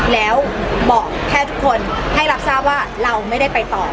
แล้วบอกแค่ทุกคนให้รับทราบว่าเราไม่ได้ไปต่อ